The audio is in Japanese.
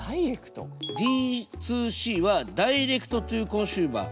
Ｄ２Ｃはダイレクトトゥーコンシューマー。